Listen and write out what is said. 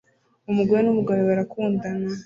Umugore n'umugabo barakundana